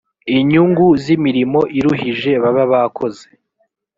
inyungu z’imirimo iruhije baba bakoze